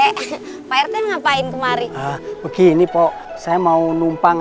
casting rinumannya hal apa ini vladimir bikinnya